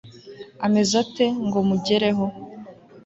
ameze ate? ngo mugereho